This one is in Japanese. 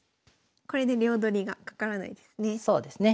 これで両取りがかからないですね。